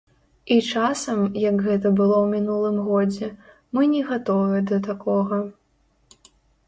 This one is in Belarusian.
І часам, як гэта было ў мінулым годзе, мы не гатовыя да такога.